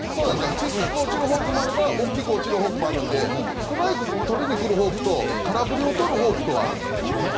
小さく落ちるフォークもあれば大きく落ちるフォークもあってストライクとりにくるフォークと空振りをとるフォークがあるんですね。